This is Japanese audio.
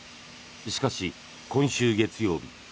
しかし、今週月曜日